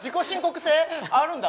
あるんだ